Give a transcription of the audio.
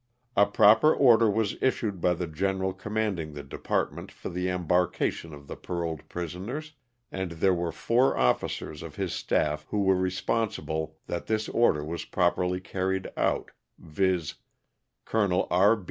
"A proper order was issued by the general commanding the department for the embarkation of the paroled prisoners, and there were four officers of his staff who were responsible that this order was properly carried out, viz: Col. K.